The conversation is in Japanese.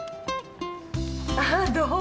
ああどうも。